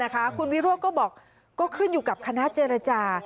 คุณวิโรธก็บอกก็ขึ้นอยู่กับคณะเจรจา